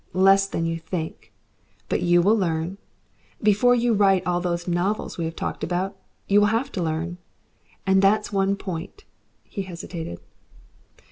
Less than you think. But you will learn. Before you write all those novels we have talked about, you will have to learn. And that's one point " He hesitated.